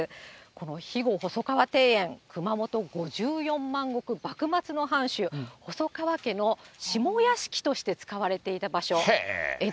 この肥後細川庭園、熊本５４万石幕末の藩主、細川家の下屋敷として使われていた場所。